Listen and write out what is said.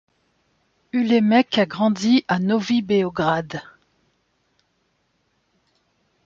Ulemek a grandi à Novi Beograd.